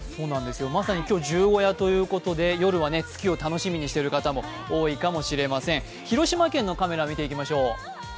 まさに今日、十五夜ということで夜は月を楽しみにしている方も多いかもしれません広島県のカメラ見ていきましょう。